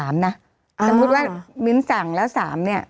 สมมุติว่ามิ้นท์สั่งแล้ว๓เนี่ย